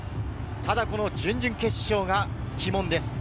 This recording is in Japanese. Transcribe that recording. ただこの準々決勝が鬼門です。